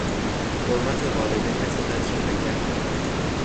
حرمت والدین خودت را نگهدار.